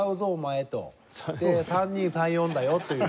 「３２３４だよ」という。